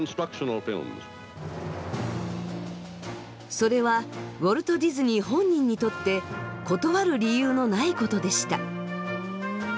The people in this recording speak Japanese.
それはウォルト・ディズニー本人にとって断る理由のないことでした。